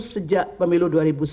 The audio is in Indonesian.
sejak pemilu dua ribu sembilan belas